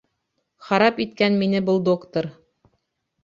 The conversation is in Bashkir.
— Харап иткән мине был доктор.